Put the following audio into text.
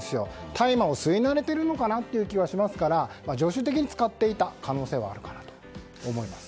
大麻を吸い慣れているのかなという感じがしますから常習的に使っていた可能性があるかなと思います。